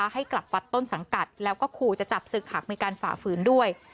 ให้กลับวัดต้นสังกัดแล้วก็ขู่จะจับศึกหากมีการฝ่าฝืนด้วย